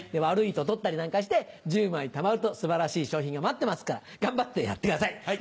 悪いと取ったりなんかして１０枚たまると素晴らしい賞品が待ってますから頑張ってやってください！